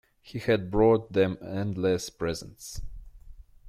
He had brought them endless presents.